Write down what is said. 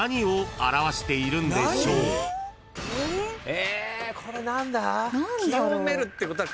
えーこれ何だ？